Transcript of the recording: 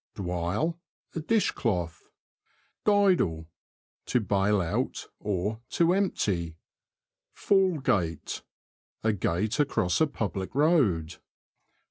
DwYLE. — A dishcloth. Dydle. — To bail out, to empty. Fall Gate. — A gate across a public road.